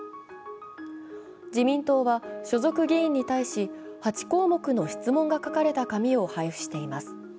自民党は所属議員に対し、８項目の質問が書かれた紙を配布しています。